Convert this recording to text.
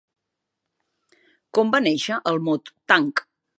Com va néixer el mot tanc?